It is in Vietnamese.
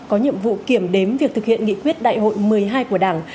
có nhiệm vụ kiểm đếm việc thực hiện nghị quyết đại hội một mươi hai của đảng